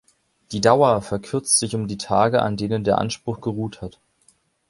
Die Dauer verkürzt sich um die Tage, an denen der Anspruch geruht hat.